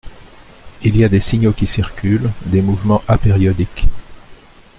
il y a des signaux qui circulent, des mouvements apériodiques.